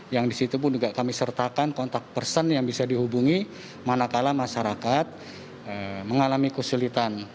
yang disitu pun juga kami sertakan kontak person yang bisa dihubungi manakala masyarakat mengalami kesulitan